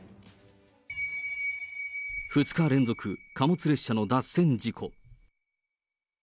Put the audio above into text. ２日連続貨物列車の脱線事故。